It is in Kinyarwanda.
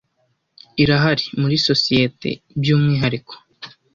Irahari, muri societe byumwihariko